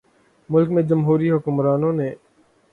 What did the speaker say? ملک میں جمہوری حکمرانوں نے